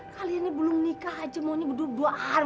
kalian ini belum nikah aja maunya berduaan